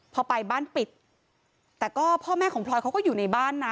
พอไปบ้านปิดแต่ก็พ่อแม่ของพลอยเขาก็อยู่ในบ้านนะ